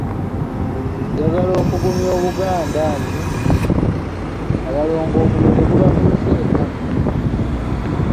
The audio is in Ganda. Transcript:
Njagala okugumya Obuganda nti Abalongo omuliro tegubatuseeko.